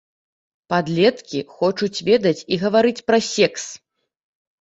Падлеткі хочуць ведаць і гаварыць пра секс!